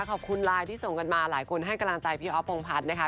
ขอบคุณไลน์ที่ส่งกันมาหลายคนให้กำลังใจพี่อ๊อฟพงพัฒน์นะคะ